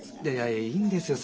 いやいいんですよ。